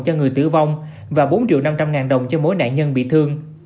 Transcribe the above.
cho người tử vong và bốn triệu năm trăm linh ngàn đồng cho mỗi nạn nhân bị thương